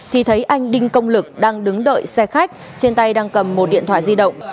thì thấy anh đinh công lực đang đứng đợi xe khách trên tay đang cầm một điện thoại di động